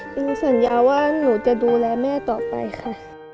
เป็นสัญญาว่าหนูจะดูแลแม่ต่อไปค่ะ